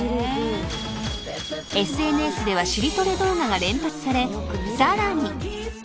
［ＳＮＳでは尻トレ動画が連発されさらに］